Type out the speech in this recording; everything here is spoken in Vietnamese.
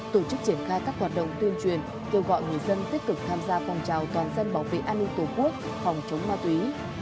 tổ chức triển khai các hoạt động tuyên truyền kêu gọi người dân tích cực tham gia phòng trào toàn dân bảo vệ an ninh tổ quốc phòng chống ma túy